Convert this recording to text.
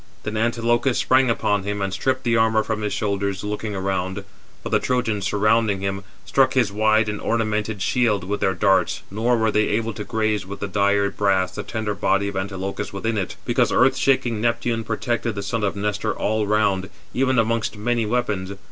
Then Antilochus sprang upon him, and stripped the armour from his shoulders, looking around; for the Trojans surrounding him, struck his wide and ornamented shield with their darts, nor were they able to graze with the dire brass the tender body of Antilochus within it; because earth shaking Neptune protected the son of Nestor all round, even amongst many weapons.